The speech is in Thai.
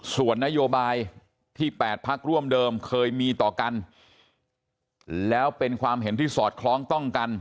ส่วนนโยบายที่๘พักร่วมเดิมเคยมีต่อกันแล้วเป็นความเห็นที่สอดคล้องต้องกัน